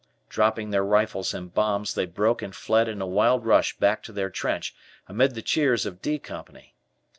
Dropping their rifles and bombs, they broke and fled in a wild rush back to their trench, amid the cheers of "D" Company.